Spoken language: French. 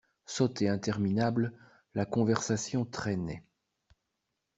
Sotte et interminable, la conversation traînait.